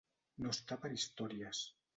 No estar per històries.